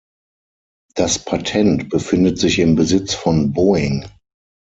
Das Patent befindet sich im Besitz von Boeing.